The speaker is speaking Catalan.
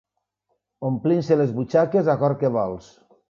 Omplint-se les butxaques a cor què vols.